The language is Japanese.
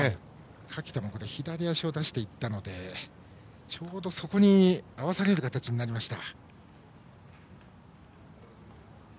垣田も左足を出していったのでちょうどそこに合わされる形になりました。